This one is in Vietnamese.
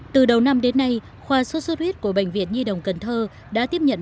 từ đầu năm đến nay khoa sốt xuất huyết của bệnh viện nhi đồng cần thơ đã tiếp nhận